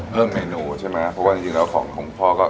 เมนูใช่ไหมเพราะว่าจริงแล้วของของพ่อก็